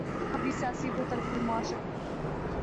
کبھی سیاسی بت اور کبھی معاشرتی